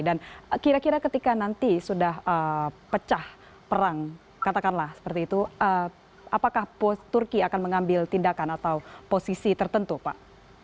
dan kira kira ketika nanti sudah pecah perang katakanlah seperti itu apakah turki akan mengambil tindakan atau posisi tertentu pak